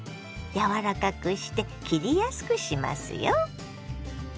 柔らかくして切りやすくしますよ。